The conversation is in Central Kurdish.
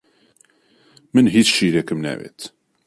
من هیچ شیرێکم ناوێت.